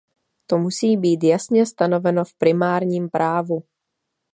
To musí být jasně stanoveno v primárním právu.